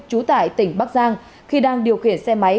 chú tải tỉnh bắc giang khi đang điều khiển xe máy